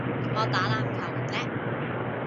我打籃球唔叻